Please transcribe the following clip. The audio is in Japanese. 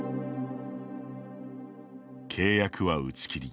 契約は打ち切り。